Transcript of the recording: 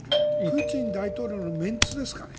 プーチン大統領のメンツですかね？